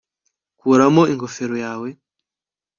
kuramo ingofero yawe